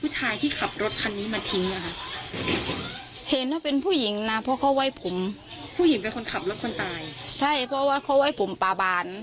ใช่เพราะว่าเขาไว้ผมปลาบาน